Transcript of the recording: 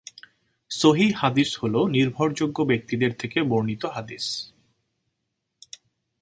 সহীহ হাদীস হল নির্ভরযোগ্য ব্যক্তিদের থেকে বর্ণিত হাদীস।